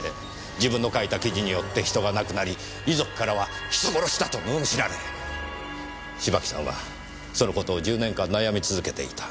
自分の書いた記事によって人が亡くなり遺族からは人殺しだと罵られ芝木さんはその事を１０年間悩み続けていた。